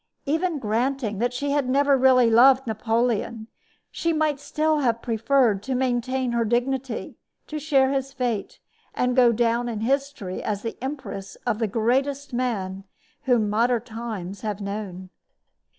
Even granting that she had never really loved Napoleon, she might still have preferred to maintain her dignity, to share his fate, and to go down in history as the empress of the greatest man whom modern times have known.